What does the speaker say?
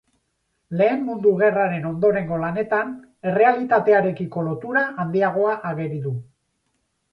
Lehen Mundu Gerraren ondorengo lanetan errealitatearekiko lotura handiagoa ageri du.